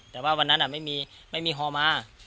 แต่ว่าวันนั้นไม่มีฮอมามีแต่โดรนมา